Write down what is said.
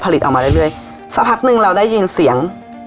ออกมาเรื่อยสักพักหนึ่งเราได้ยินเสียง